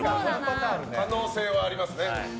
可能性はありますね。